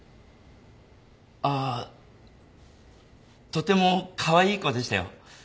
ああとてもカワイイ子でしたよ。